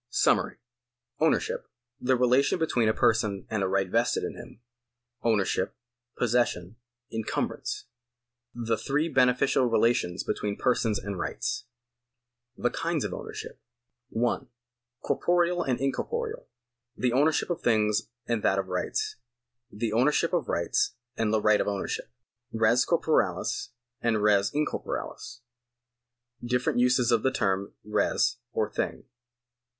^ SUJVEVIARY. Ownership — tlio relation between a person and a right vested in him. „'. I The three beneficial rehxtions between persons and Possession "■ hf EncumbranceJ The kinds of Ownership. 1. Corporeal and incorporeal. The ownership of things and that of rights. The ownership of rights and the right of ownership. Res corporales and res incorporales. Different uses of the term res or thing.